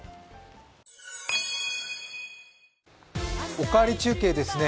「おかわり中継」ですね。